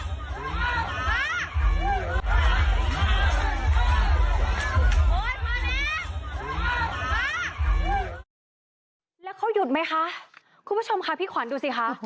โอ๊ยพอเนี้ยฮะแล้วเขาหยุดไหมคะคุณผู้ชมค่ะพี่ขวัญดูสิค่ะ